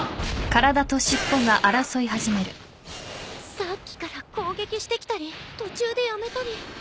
さっきから攻撃してきたり途中でやめたり。